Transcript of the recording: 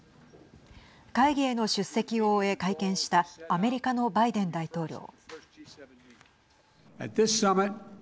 会議への出席を終え、会見したアメリカのバイデン大統領。